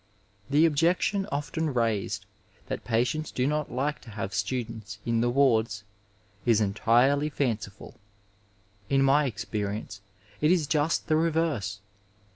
The objection often raised that patients do not like to have students in the wards is entirely &nciful. In my experience it is just the reverse.